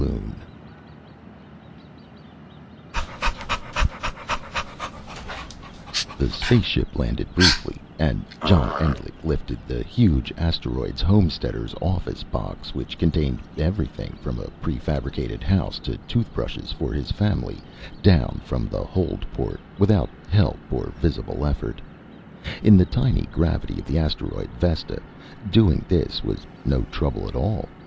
_] The space ship landed briefly, and John Endlich lifted the huge Asteroids Homesteaders Office box, which contained everything from a prefabricated house to toothbrushes for his family, down from the hold port without help or visible effort. In the tiny gravity of the asteroid, Vesta, doing this was no trouble at all.